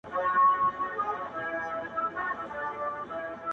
د سړیو سره خواته مقبره کی ,